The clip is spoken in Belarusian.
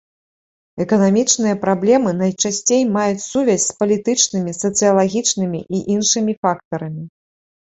Эканамічныя праблемы найчасцей маюць сувязь с палітычнымі, сацыялагічнымі і іншымі фактарамі.